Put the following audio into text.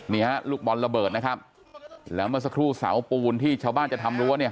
นี่ฮะลูกบอลระเบิดนะครับแล้วเมื่อสักครู่เสาปูนที่ชาวบ้านจะทำรั้วเนี่ย